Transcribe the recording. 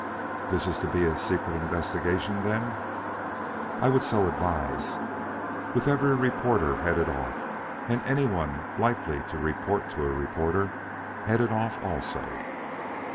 "This is to be a secret investigation, then?" "I would so advise." "With every reporter headed off, and anyone likely to report to a reporter headed off also?"